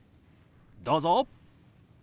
どうぞ。